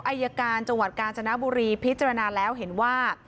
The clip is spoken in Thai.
อายการจังหวัดกาญจนบุรีพิจารณาแล้วเห็นว่า